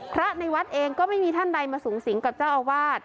พระในวัดเองก็ไม่มีท่านใดมาสูงสิงกับเจ้าอาวาส